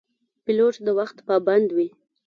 پیلوټ د وخت پابند وي.